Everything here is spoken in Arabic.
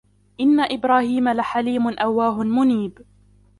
إن إبراهيم لحليم أواه منيب